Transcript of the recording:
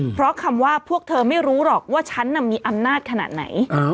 เพราะคำว่าพวกเธอไม่รู้หรอกว่าฉันมีอำนาจขนาดไหน